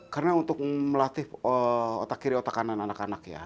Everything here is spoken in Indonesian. karena untuk melatih otak kiri otak kanan anak anak ya